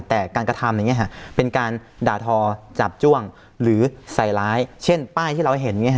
แต่การกระทำอย่างนี้เป็นการด่าทอจับจ้วงหรือใส่ร้ายเช่นป้ายที่เราเห็น